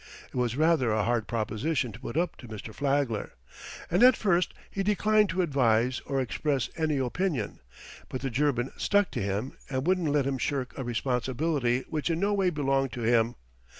It was rather a hard proposition to put up to Mr. Flagler, and at first he declined to advise or express any opinion, but the German stuck to him and wouldn't let him shirk a responsibility which in no way belonged to him.